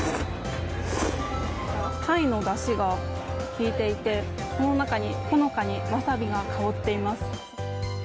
鯛のだしが効いていてその中に、ほのかにワサビが香っています。